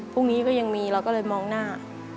พรุ่งนี้ก็ยังมีเราก็เลยมองหน้า